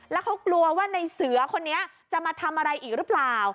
แล้วเขากลัวว่าในเสือคนนี้จะมาทำอะไรอีกหรือเปล่า